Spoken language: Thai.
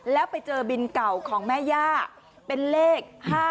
แล้วไปเจอบินเก่าของแม่ย่าเป็นเลข๕๗